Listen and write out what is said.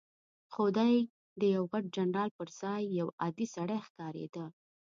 خو دی د یوه غټ جنرال پر ځای یو عادي سړی ښکارېده.